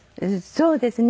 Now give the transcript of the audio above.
そうですね。